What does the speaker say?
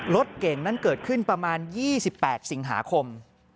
รถเก่งนั้นเกิดขึ้นประมาณ๒๘สิงหาคม